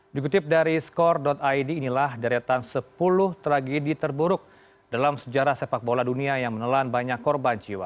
dikutip dari skor id inilah deretan sepuluh tragedi terburuk dalam sejarah sepak bola dunia yang menelan banyak korban jiwa